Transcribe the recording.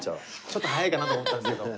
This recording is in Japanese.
ちょっと早いかなと思ったんですけど。